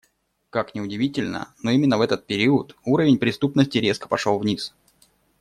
Как ни удивительно, но именно в этот период уровень преступности резко пошел вниз.